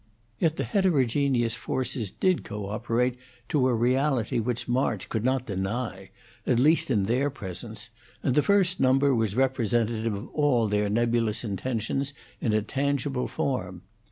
Yet the heterogeneous forces did co operate to a reality which March could not deny, at least in their presence, and the first number was representative of all their nebulous intentions in a tangible form.